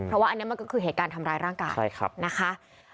เพราะว่าอันนี้มันก็คือเหตุการณ์ทำร้ายร่างกายนะคะ